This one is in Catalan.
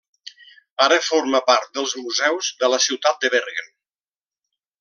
Ara forma part dels Museus de la ciutat de Bergen.